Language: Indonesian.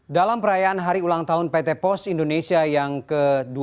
dalam perayaan hari ulang tahun pt pos indonesia yang ke dua puluh